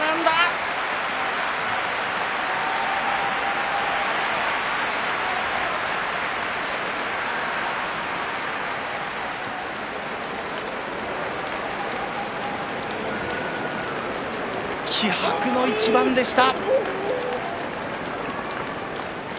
拍手気迫の一番でした。